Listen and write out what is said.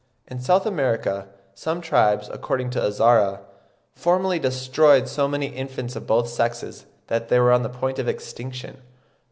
In South America some tribes, according to Azara, formerly destroyed so many infants of both sexes that they were on the point of extinction.